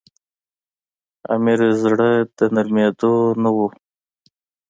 امیر زړه د نرمېدلو نه وو.